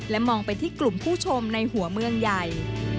มองไปที่กลุ่มผู้ชมในหัวเมืองใหญ่